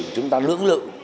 chúng ta lưỡng lự